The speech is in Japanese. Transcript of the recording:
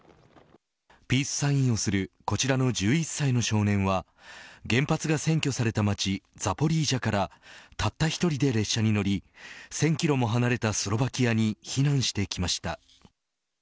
ピースサインをするこちらの１１歳の少年は原発が占拠された町ザポリージャからたった１人で電車に乗り１０００キロも離れたスロバキアに避難してきました。